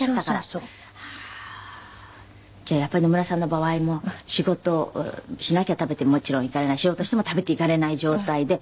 じゃあやっぱり野村さんの場合も仕事をしなきゃ食べてももちろんいかれない仕事をしても食べていかれない状態で。